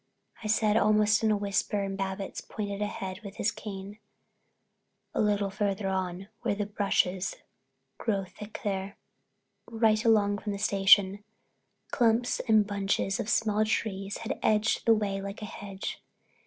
I said, almost in a whisper, and Babbitts pointed ahead with his cane. "A little further on, where the bushes grow thick there." Right along from the station, clumps and bunches of small trees had edged the way like a hedge.